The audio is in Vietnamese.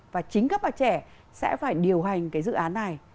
và chính các bạn trẻ sẽ phải điều hành cái dự án này